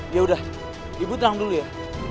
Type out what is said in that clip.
yaudah ibu tenang dulu ya